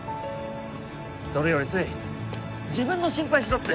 それより粋自分の心配しろって。